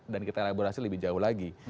dan kita elaborasi lebih jauh lagi